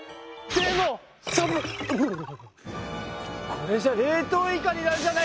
これじゃ冷凍イカになるじゃな